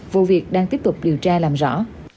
vụ việc đang tiếp tục điều tra làm rõ